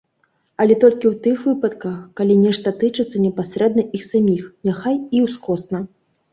Але толькі ў тых выпадках, калі нешта тычыцца непасрэдна іх саміх, няхай і ўскосна.